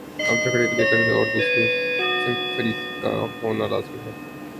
اب جھگڑے کے لیے قضیے اور دوسرے فریق کا ہونا لازم ہے۔